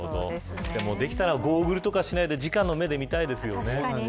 できたらゴーグルとかしないでじかの目で見たいですよね。